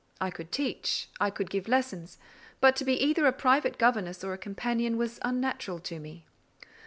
I could teach; I could give lessons; but to be either a private governess or a companion was unnatural to me.